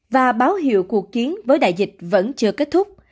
và báo hiệu cuộc kiến với đại dịch vẫn chưa kết thúc